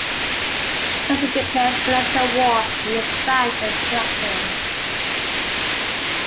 Benson declares "financial war" on the bank and its directors.